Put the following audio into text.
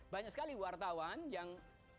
banyak sekali wartawan yang